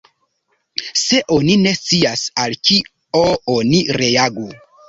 Se oni ne scias al kio oni reagu?